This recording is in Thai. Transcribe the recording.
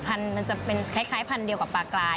มันจะเป็นคล้ายพันธุ์เดียวกับปลากลาย